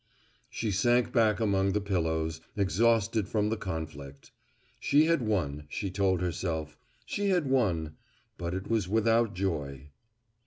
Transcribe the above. She sank back among her pillows, exhausted from the conflict. She had won, she told herself, she had won, but it was without joy.